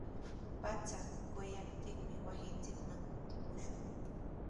Pacha quyaptinmi wasinchikman kutimushun.